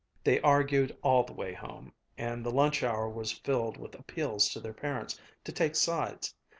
They argued all the way home, and the lunch hour was filled with appeals to their parents to take sides.